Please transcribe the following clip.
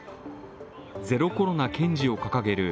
ゼロコロナ堅持を掲げる